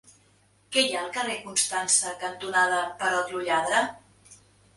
Què hi ha al carrer Constança cantonada Perot lo Lladre?